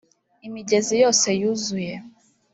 imigezi yose yuzuze